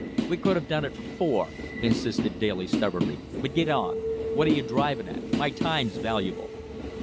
"We could have done it for four," insisted Daly stubbornly, "but get on. What are you driving at? My time's valuable."